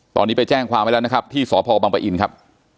ตอนนี้ไปแจ้งความไว้แล้วนะครับที่สพบังปะอินครับ